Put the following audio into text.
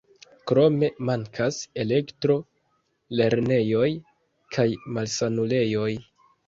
Krome mankas elektro, lernejoj kaj malsanulejoj.